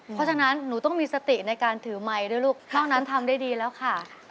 เพราะฉะนั้นหนูต้องมีสติในการถือไมค์ด้วยลูกนอกนั้นทำได้ดีแล้วค่ะ